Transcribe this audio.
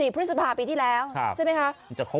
พฤษภาปีที่แล้วใช่ไหมคะ